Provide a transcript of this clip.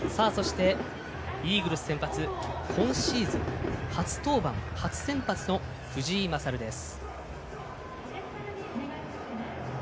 イーグルス、先発、今シーズン初登板、初先発の藤井聖です。